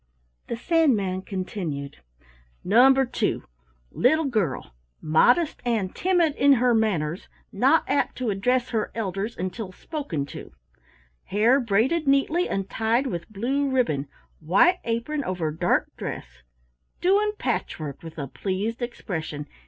The Sandman continued: "Number two. Little girl: modest and timid in her manners, not apt to address her elders until spoken to hair braided neatly and tied with blue ribbon white apron over dark dress doing patchwork with a pleased expression.